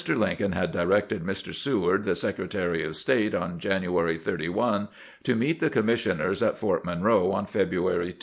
Lincoln had directed Mr. Seward, the Sec retary of State, on January 31, to meet the commis sioners at Fort Monroe on February 2.